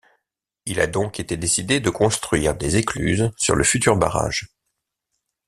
Il a donc été décidé de construire des écluses sur le futur barrage.